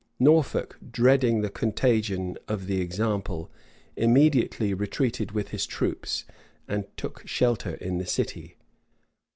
Norfolk, dreading the contagion of the example, immediately retreated with his troops, and took shelter in the city.